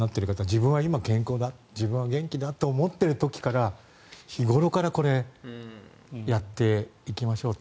自分は今、健康だ自分は元気だと思っている時から日ごろからやっていきましょう。